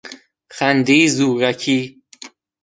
خندهی زورکی